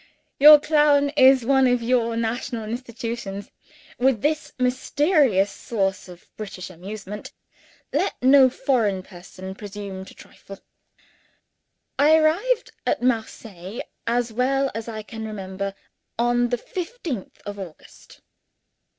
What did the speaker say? Your clown is one of your national institutions. With this mysterious source of British amusement let no foreign person presume to trifle. I arrived at Marseilles, as well as I can remember, on the fifteenth of August.